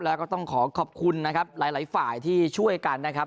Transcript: แล้วก็ต้องขอขอบคุณนะครับหลายฝ่ายที่ช่วยกันนะครับ